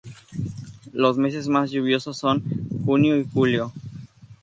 Los meses más lluviosos son junio y julio.